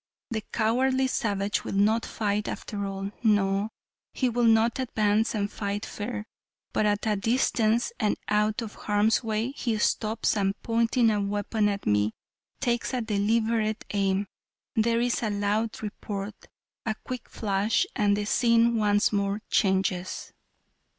The cowardly savage will not fight after all. No, he will not advance and fight fair, but at a distance and out of harm's way, he stops, and pointing a weapon at me, takes deliberate aim, there is a loud report, a quick flash, and the scene once more changes.